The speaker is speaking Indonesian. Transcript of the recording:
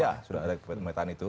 ya sudah ada pemetaan itu